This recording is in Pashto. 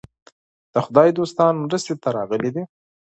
د خدای دوستان مرستې ته راغلي دي.